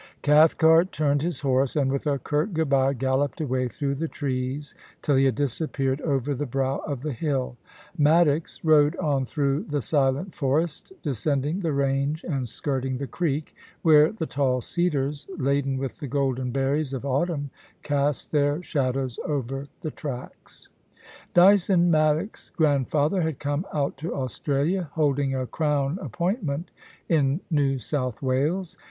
Cathcart turned his horse, and with a curt good bye galloped away through the trees, till he had disappeared over the brow of the hill. Maddox rode on through the silent forest, descending the range and skirting the creek, where the tall cedars, laden with the golden berries of autumn, cast their shadows over the tracks. Dyson Maddox's grandfather had come out to Australia holding a Crown appointment in New South Wales.